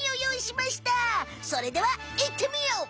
それではいってみよう！